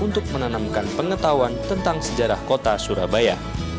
untuk menanamkan pengetahuan tentang sejarah kota surabaya